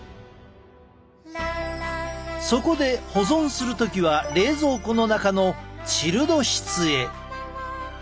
そこで保存する時は冷蔵庫の中のチルド室へ。